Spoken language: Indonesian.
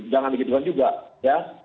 jangan begitu juga ya